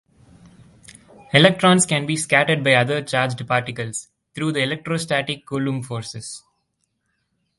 Electrons can be scattered by other charged particles through the electrostatic Coulomb forces.